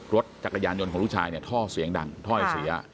รถจักรยานยนต์ของลูกชายเนี่ยท่อเสียงดังท่อยเสีย